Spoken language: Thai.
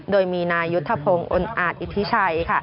โดยมีนายุทธพงศ์อนอาจอิทธิชัย